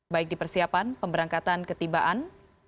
baik di persiapan pemberangkatan ketibaan